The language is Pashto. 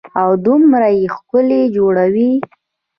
او دومره يې ښکلي جوړوي.